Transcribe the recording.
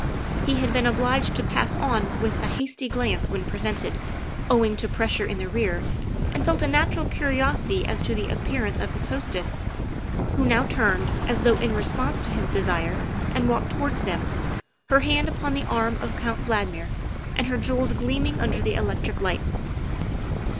He had been obliged to pass on with a hasty glance when presented, owing to pressure in the rear, and felt a natural curiosity as to the appearance of his hostess, who now turned, as though in response to his desire, and walked towards them, her hand upon the arm of Count Valdmir and her jewels gleaming under the electric lights.